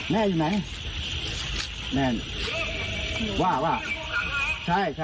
แม่อยู่ไหนแม่ว่าว่าใช่ใช่